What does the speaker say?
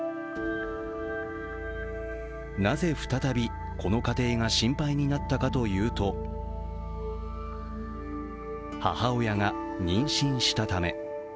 なぜ、再びこの家庭が心配になったかというと母親が妊娠したため。